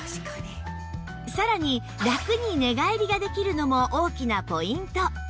さらにラクに寝返りができるのも大きなポイント